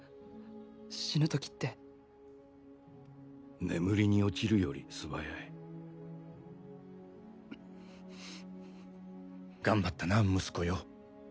死ぬ時って眠りに落ちるより素早い頑張ったな息子よ